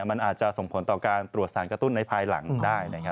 มันอาจจะส่งผลต่อการตรวจสารกระตุ้นในภายหลังได้